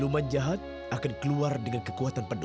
mas aku takut mas